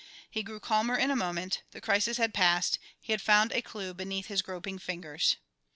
He grew calmer in a moment, the crisis had passed, he had found a clue beneath his groping fingers.